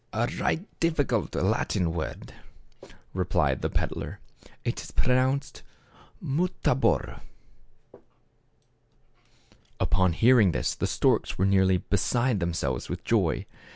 "A right difficult Latin word," replied the peddler ;" it is pronounced Mutabor." Upon hearing this the storks were nearly be side themselves with joy.